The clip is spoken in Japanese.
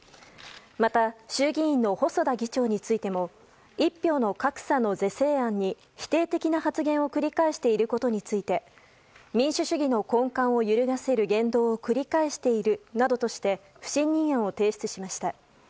また衆議院の細田議長についても一票の格差の是正案に否定的な発言を繰り返していることについて民主主義の根幹を揺るがせる言動を繰り返しているなどとして不信任案を提出しました。